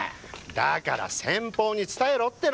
だから先方に伝えろっての。